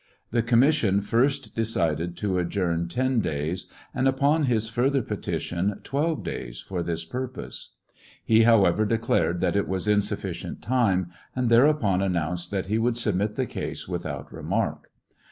The commission first decided to adjourn ten days, and upon his further peti tion, twelve days, for this purpose. He, however, declared that it was insufficient time, and thereupon announced that he would submit the case without remark.